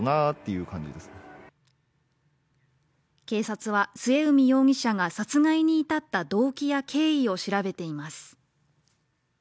警察は末海容疑者が殺害にいたった動機や経緯を調べています。